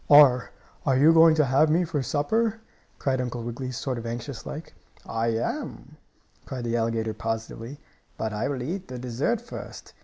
"Are you are you going to have me for supper?" asked Uncle Wiggily, sort of anxious like. "I am!" cried the alligator, positively. "But I will eat the dessert first.